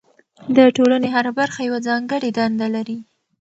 د ټولنې هره برخه یوه ځانګړې دنده لري.